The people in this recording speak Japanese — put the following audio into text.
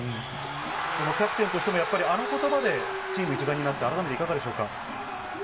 キャプテンとしてもやっぱりあのことばで、チーム一丸になったあたり、いかがでしょうか。